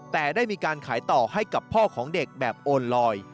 แต่ได้มีการขายต่อให้กับพ่อของเด็กแบบโอนลอย